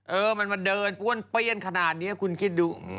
เออมันมาเดินป้วนเปี้ยนขนาดนี้คุณคิดดู